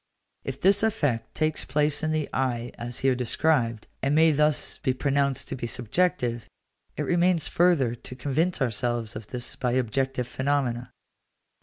If this effect takes place in the eye as here described, and may thus be pronounced to be subjective, it remains further to convince ourselves of this by objective phenomena.